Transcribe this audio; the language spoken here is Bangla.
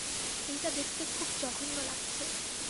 এইটা দেখতে খুব জঘন্য লাগছে।